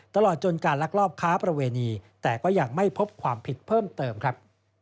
ตลอดจนการลักลอบค้าประเวณีแต่ก็ยังไม่พบความผิดเพิ่มเติมครับ